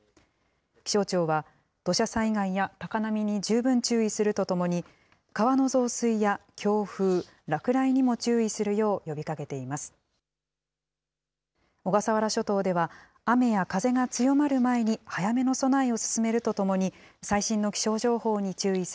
気象庁は土砂災害や高波に十分注意するとともに、川の増水や強風、落雷にも注意するよう呼びかけています。